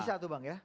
bisa tuh bang ya